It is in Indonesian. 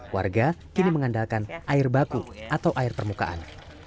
warga kini mengandalkan air baku atau air permukaan